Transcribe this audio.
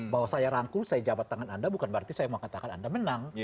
bahwa saya rangkul saya jabat tangan anda bukan berarti saya mau katakan anda menang